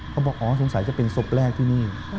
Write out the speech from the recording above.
เขาบอกว่าสงสัยจะเป็นสบแรกที่นี่